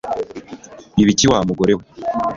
Ibiki wa mugore we